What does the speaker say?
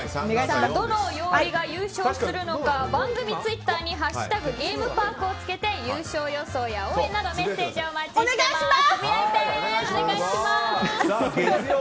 どの曜日が優勝するのか番組ツイッターに「＃ゲームパーク」をつけて優勝予想や応援などメッセージお待ちしています。